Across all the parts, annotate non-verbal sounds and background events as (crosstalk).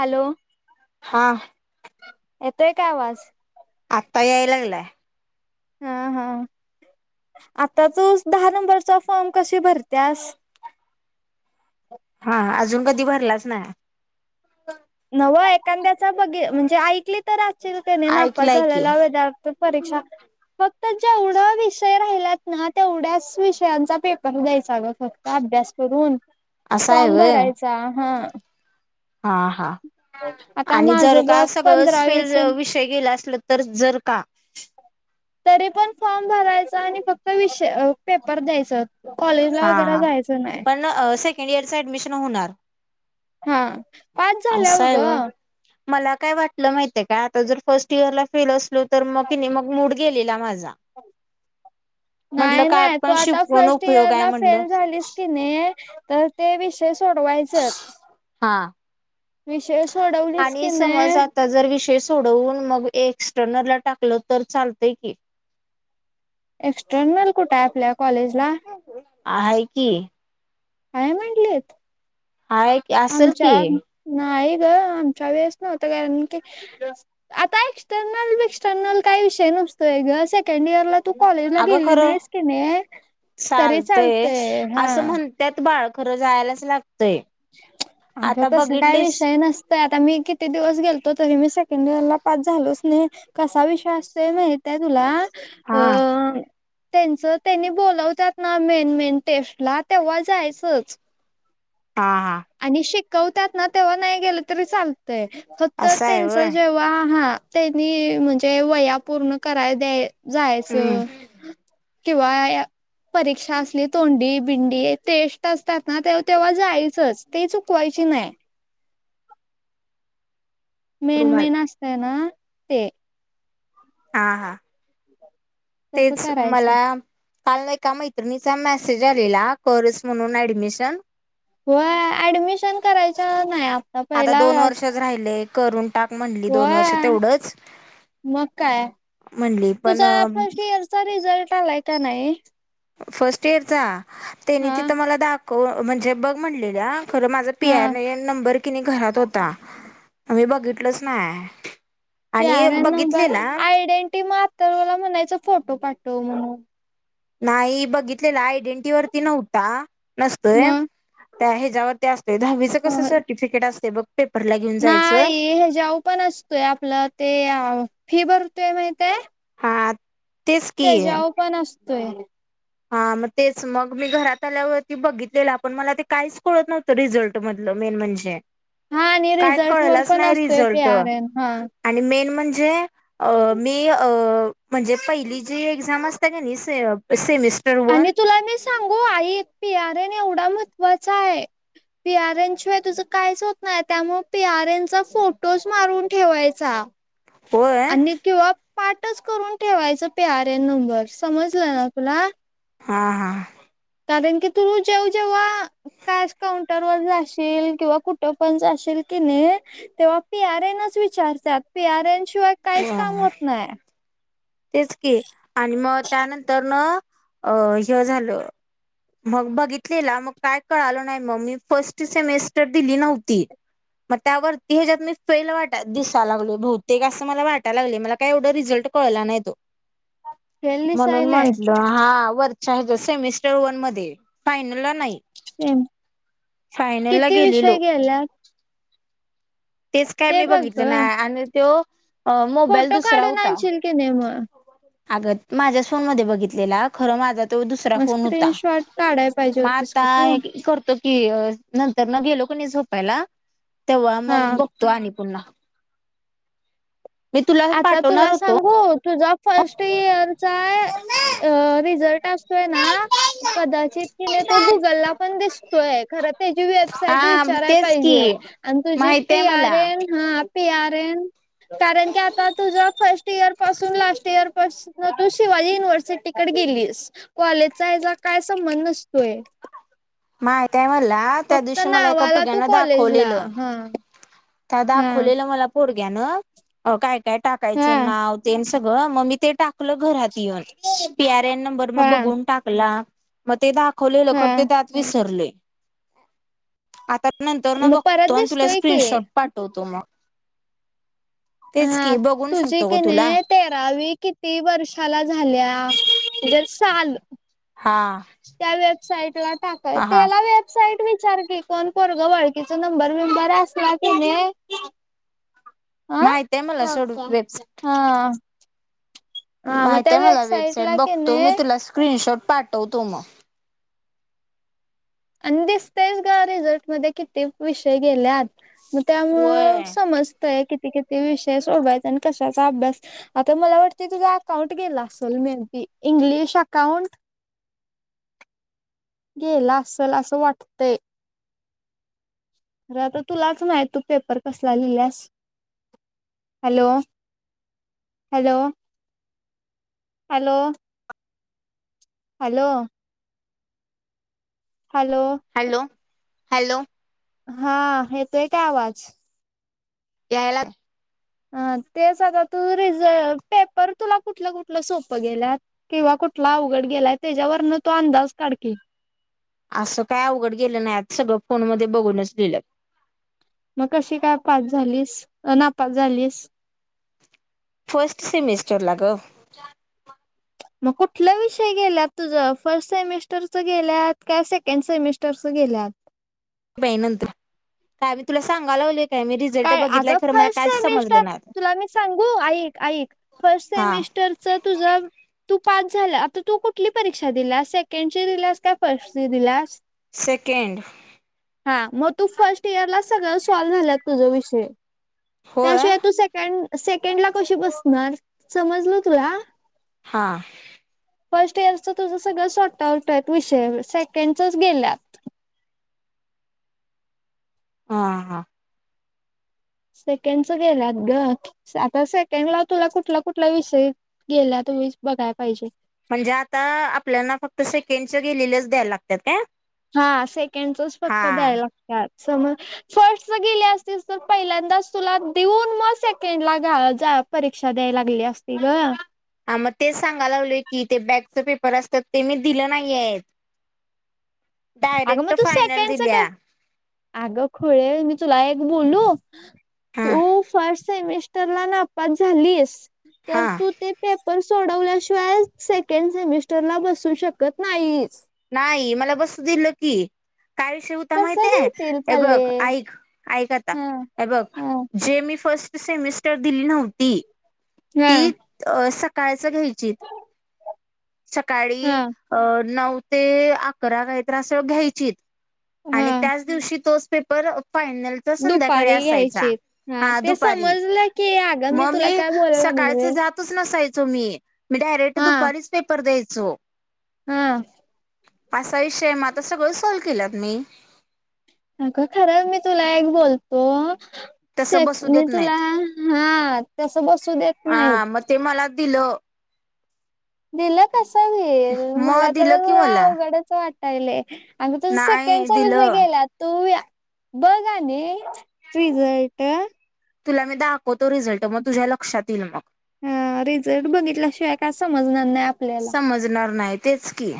Hello! हा ऐतोय का आवाज? आत्ता याय लागलाय. हा हा आता तू दहा नंबरचा फॉर्म कसे भरतेस. हा अजून कधी भरलाच नाही. नवं एखाद्याचा बघी म्हणजे ऐकली तर आसचील त्याने नापत ऐकलाय की झाल्यायला हवं. तर परीक्षा फक्त जेवढा विषय राहिल्यात ना तेवढ्याच विषयांचा पेपर द्यायचाग फक्त. अभ्यास करून असं आहे फॉर्म व्हय भरायचा हा. हा हा आता आणि जर माझं का बघ सगळंच पंधरा वीस फेल विषय गेला असलं तर. तर जर का तरी पण फॉर्म भरायच आणि फक्त विषय पेपर द्यायचा. कॉलेज ला हा वगैरे हा जायचं नाही. पण सेकंड इर ऍडमिशन होणार हा पास असं झाल्यावर आहे. ग मला काय वाटलं माहितीय काय आता जर फर्स्ट इयरला फेल असलो तर मगि नाही मग मूड गेलेला माझा. म्हटलं नाही काय नाही तो आपण आता शिकून फर्स्ट उपयोग इयर आहे म्हटलं फेल झालीस की नाही तर ते विषय सोडवायच. हा सोडवलीस की आणि समज नाही आ आता जर विषय सोडवून मग एक्सटर्नर ला टाकलं तर चालतय की. एक्स्टर्नल कुठे आहे आपल्या कॉलेज ला. आ आहे की हाय म्हणलेत हाय असेल की आमच्या नाही ग आमच्या वेळेस नव्हतं कारण की आता एक्स्टर्नल बेक्सटर्नल काय विषय नुसतोय ग सेकंड इयरला तू कॉलेजला अगं गेली खरं नाहीस की नाही तरी चालता हा. त्यात बाळ खरं जायलाच लागतंय. अगं आता तस काय बघितलीस विषय नसत. तर आता मी किती दिवस गेलतो तरी मी सेकंड इयर ला पास झालोच नाही कसा विषय असतो माही माहीतेय तुला हा अं... त्यांच त्यांनी बोलवतात ना मेन मेन टेस्ट ला तेव्हा जायचंच. हा हा आणि शिकवतात ना तेव्हा नाही गेलं तरी चालतय फक्त असं आहे व्हय त्यांन जेव्हा, ह हा त्यांनी म्हणजे वया पूर्ण कराय द्या हम्म जायचं. किंवा या. परीक्षा असली तोंडी बिंडी तेष्ट असतात ना तेव्हा तेव्हा जायचंच. ते चुकवायची नाही. मेन रुमाल मेन असतय ना ते. हा हा तसं तेच करायचं मला काल एका मैत्रिणीचा मेसेज आलेला करच म्हणून ऍडमिशन. होय ऍडमिशन करायचं नाही. आता पहिला दोन व्या- वर्षच राहिलेय करून टाक म्हणली दोन होय वर्ष तेवढंच. मग काय म्हणली पण तुझा फर्स्ट इयरचा रिझल्ट आलाय का नाही? फर्स्ट इयरचा त्यानी हा तिथं मला दाखव म्हणजे बघ म्हणलेल. खरं माझा पी हा आर ए एन नंबर कि नाही घरात होता,, आम्ही बघितलोच नाय. पिआर एन नंबर, आयडेंटी म आतर्व ला म्हणायचं फोटो पाठव म्हणून. नाही, बघितलेला,, आयडेंटिटी वरती नव्हता नसतोय,, मग त्या ह्याच्यावरती असतोय, दहावीचं कसं अह, सर्टिफिकेट असतय बघ,, त्य नाही,, हेजाव पण असतोय, आपलं ते अ फी भरतोय माहितय हा तेच की त्यज्याव पण असतोय. हा मग तेच, मग मी घरात आल्यावरती बघितलेला, पण मला ते काहीच कळत नव्ह रिझल्ट मधलं मेन म्हणजे,, हा आणि काय रिझल्ट वर कळलाच पण नाही असतोय पी रिझल्ट आर एन हा आणि मेन म्हणजे अ मी अ, म्हणजे पहिली जी एक्झाम असत्या क नाही सेमि आणि तुला मी सांगू आईक पी आर एन एवढा महत्त्वाचा हाय. पी आर एन शिवाय तुझं काहीच होत नाही,, त्यामुळं पी आर एनचा फोटोच मारून ठेवायचा. होय आणि किंवा पाठच करून ठेवायचं पी आर एन नंबर,, समजलं ना तुला. हा हा. कारण की तु जेव जेव्हा कॅश काउंटर वर जाशील किंवा कुठं पण जाशील कि नाही तेव्हा पी आर एनच विचारत्यात,, पीआरएन शिवाय काहीच काम हा होत नाय. तेच की, आणि मग त्यानंतर न, अ हे झालं मग बघितलेला मग काय कळालं नाही,, मग मी फर्स्ट सेमेस्टर दिली नव्हती. मग त्यावरती हे ज्यात मी फेल वाट दिसाय लागलय बहुतेक, असं मला वाटाय लागले मला काय एवढं रिझल्ट कळला नाही तो, हे म्हणून लिसायलय म्हटलं हा चा हजं सेमिस्टर वन मध्ये, फायनलला नाही,,, सेम फायनल ला गेलेलो ल्यात तेच काय मी बघ बघितलं ग. नाय,, आणि तो अ मोबेल फोटो दूसरा काढून हूता. आणशील की नाही मग? आगं माझ्याच फोन मधे बघितलेला खरं माझं तो दुसरा मग फोन हूता,, स्क्रीनशॉट काढाय पाहिजे मग होतीस आता का तू हे करतो कि नंतर नं गेलो कणी झोपायला,, तव्हा मग हा. बघतो आणि पुन्हा. मी तुला आता पाठवणार तुला होतो सांगू, तुझा फर्स्ट इयरचा, अ रिझल्ट अस तोय ना,, कदाचित क नाही तो गुगल ला पण दिसतोय,, खरं पेज वेबसाईट हा विचाराय तेच की पायजे,, आणि तुझी जी माहित आहे पी आर मला एन हा पी आर एन,, कारण की आता तुझं फर्स्ट इयर पासून लास्ट इयर पासनं तू शिवाजी युनिव्हर्सिटीकडं गिलीस कॉलेजचा याचा काय संबंध नसतोय. मायतय मला. हा त्या फक्त दिवशी मला एका नावाला तू पुजानं कॉलेजला दाखवलेलं,, हा त्या हा दाखवलेलं मला कोडग्यान, अं काय काय टाकायचं हा नाव तेन सगळं, मग मी ते टाक घरात येऊन,, पीआर एन नंबर मग हा. बघून टाकला, मग ते दाख खोलेलं खरं हा ते त्यात विसरलय. आता नंतर न मग परत बघतो आणि तुला दिसतोय की स्क्रीनशॉट पाठवतो मग. तेच हा की बघून तुझी सांगतो ग कि तुला. नाही तेरावी किती वर्षाला झाल्या,, जर साल हां. त्या वेबसाईट ला टाकाय, त्यला वेब साईट विचार क कोण कोर ग वळखकीचा नंबर विंबर असला कि नाही. हा माहित आहे मला सोडू वेबसा हा. हा मग त्या माहितय मला वेबसाईट वेबसाइट ला कि बघतो मी नाही तुला स्क्रीनशॉट पाठवतो मग. आणि दिसतेयस ग रिझॉर्ट मध्ये किती विषय गेलेत. होय त्यामुळं समजतय किती किती विषय सोडवायचा आणि कशाचा अभ्यास आता मला वाटते तुझा अकाउंट गेला असेल मेहती इंग्लिश अकाउंट गेला असल असं वाटतंय. अरे आता तुलाच माहित तू पेपर कसला लिहिल्यास. Hello hello! Hello! Hello! Hello! Hello hello! हा हेेतोय काय आवाज त्याला हा तेच आता तू रिझ पेपर तुला कुठलं कुठलं सोपं गेल्या. किंवा कुठला अवघड गेलाय त्याच्यावरन तो असं काय अवघड गेलं नाही आज सगळं फोन मध्ये बघूनच लिहिलं. मग कशी काय पाच झालीस ना पाच झालीस. फर्स्ट सेमिस्टर लाग मग कुठला विषय गेल्यात तुझं फर्स्ट सेमेस्टरचं गेल्यात का सेकंड सेमेस्टरचं गेल्यात. ही नंतर का आम्ही तुला सांगायला लावले. काय मी रिझल्ट काय बघितलाय अगं खरं मला फर्स्ट काहीच सेमिस्टर समजलं नाही आता. तुला मी सांगू ऐकऐक फर्स्ट हा सेमिस्टर तुझं तू पास झाला आता तू कुठली परीक्षा दिलास सेकंडची दिलास का फर्स्टची दिलास. सेकंड हा तू इयर ला सगळ सॉल्व झालंत तुझ विषय होय त्याशिवाय तू सेक सेकंड ला कशी बसणार समजल तुला हां. फर्स्ट इयरच तुझं सगळं शॉर्ट आउट आहे विषय सेकंडच गेल्यात. हा हा सेकंड च गेलात ग आता सेकंड लाव तुला कुठला कुठला विषय गेला तुम्ही बघाला पाहिजे. म्हणजे आता आपल्याना फक्त सेकेंच गेलेल्याच द्यायला लागतात काय. हा सेकेंडच फक्त हा द्याय लागतात समज, फर्स्ट गेले असतीलस तर पहिल्यांदाच तुला देऊन मग सेकंड ला घा जा. परीक्षा द्याय लागली असती ग? हा मग तेच सांगा लागलोय की ते बॅगच पेपर असतात ते मी दिलं नाहीय आहेत. अगं मग तु फायनल सेकेंडच कर? दिल्या अग खुळे मी तुला एक बोलू हा तू फर्स्ट सेमिस्ट. त्याला नापास झालीस हा तर तू ते, पण सोडवल्याशिवाय सेकंड सेमिस्टर ला बसू शकत नाहीच? नाही मला बसू दिलं की, काय शिवता कसं माहितेय? देतील हे बघ पल्ले ऐक ऐक आता हा हे बघ हा जे मी फर्स्ट सेमिस्टर दिली नव्हती, ती हा अं सकाळचं घ्यायचीत. सकाळी हा अं नऊ ते अकरा काहीतर असं घ्यायचीत. आणि हा त्याच दिवशी तोच पेपर फायनल तर संध्याकाळी दुपारी असायचा. घ्यायची हा ते दुपारी, समजलं की अगं मग तुला मी काय बोलायला सकाळचं लागलोय जात जातच नसायचो मी, मी डायरेक्ट हा दुपारीच पेपर द्यायचो. हम असा विषय मं आता सगळं सॉल्व केल्यात मी. अग खरंच, मी तुला एक बोलतो तसं शेट बसू मी देत तुला नाहीत हां तसं बसू देत हा नाहीत. मग ते मला दिलं. दिलं कस होईल? मग मला तर दिलं की मला अवघडच वाटायलय. आणि तुझं नाही सेकंडचा विषय दिलं गेला तू या बघ आणि रिझल्ट. तुला मी दाखवतो रिझल्टं, मग तुझ्या लक्षात येईल मग. हा रिझल्ट बघितल्याशिवाय, काय समजणार नाही आपल्याला. देणार नाही तेच की.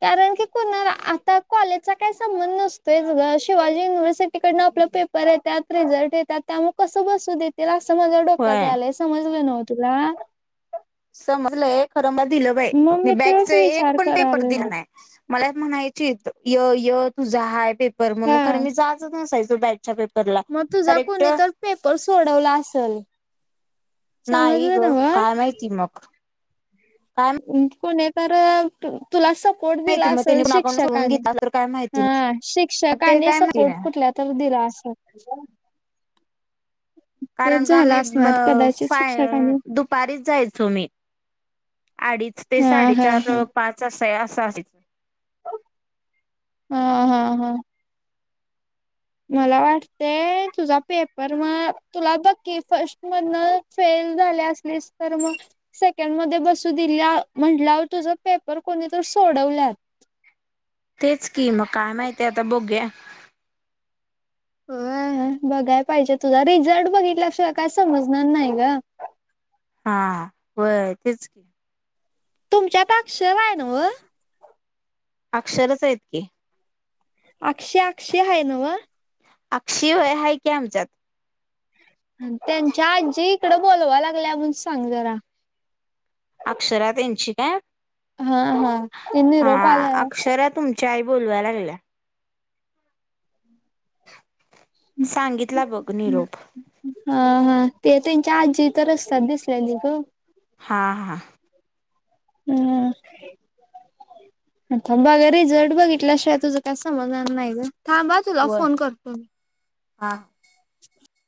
कारण की कोणा आता कॉलेजचा काही संबंध नसतोयच गं. शिवाजी युनिव्हर्सिटीकडनं आपल्याला पेप पर येतात, रिझर्ट येतात, त्यामुळं कसं बसू देत तेला अस माझ्या डोक्यात होय यायलंय, समजलं नव्ह तुला? समजलंय खरं म दिलं बाई, मग मी बॅकच तोच एक विचार पण पेपर करालोय दिला नाही. मला एक म्हणायचीत, यं यं तुझा हाय पेपर म्हणून, हा खरं मी जातच नसायचो बाई. आजच्या पेपरला, मग तुझा डायरेक्ट कोणी तर पेपर सोडवला असंल, नाही गं, काय माहिती मग. काय अं कोणीतर तुला सपोर्ट दिला माहिती मग असेल त्यांनी अकाउंट सोडून शिक्षकाने. घेतला तर काय माहिती हा नाही ते शिक्षकाने काय माहिती सपोर्ट नाही कुठल्या तर दिला असल. कारण का झालं मी असणार मं कदाचित फाय शिक्षकाने दुपारीच जायचो मी. अडीच ते हा हा साडेचार हा अ पाच असयं असं अस हं, हं, हं. मला वाटतंय, तुझा पेपर म तुला बघ की फर्स्ट मधनं फेल झाले असलीस तर मग सेकंड मध्ये बसू दिल्यावं म्हंटल्यावर तुझा पेपर कोणी तर सोडवल्यात. तेच की मं काय माहिती आता बघुया. व्हय बघाय पाहिजे. तुझा रिझल्ट बघितल्या शिवाय काय समजणार नाही गं. हा व्हय तेच कि तुमच्यात अक्षर आहे नव्ह? अक्षरच आहेत की. अक्षय अक्षय हाये नव्ह? अक्षी व्हय हायं कि आमच्यात. त्यांच्या आजी इकडं बोलवालाय लागल्या म्हणून सांग जरा. अक्षरा त्यांची काय? हं हं निरोप आल्यावं. शर तुम चाय बोलवाय लागल्या. सांगितला बघ निरोप हा ते त्यांच्या आजी तर असतात दिसलेली हा हा. हम्. अछ बघा रिझल्ट बघितल्याशिवाय तुझं काय समजणार नाही ग थांबा तुला व फोन करतो मी हा. (inaudible)